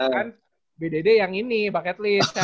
kan bdd yang ini bucket list kan